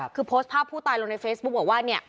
คือโพสต์ภาพผู้ตายลงในเฟซบุ๊คบอกว่าเนี่ย